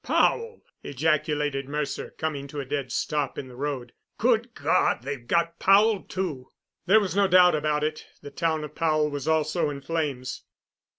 "Powell!" ejaculated Mercer, coming to a dead stop in the road. "Good God, they've got Powell, too!" There was no doubt about it the town of Powell was also in flames.